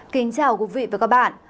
kính chào quý vị và các bạn